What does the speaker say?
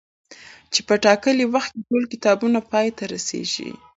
چي په ټاکلي وخت کي ټول کتابونه پاي ته رسيږي